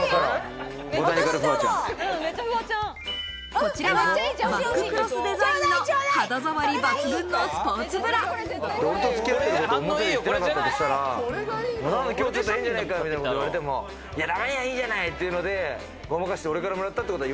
こちらはバッククロスデザインの肌触り抜群のスポーツブラ。